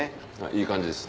いい感じです。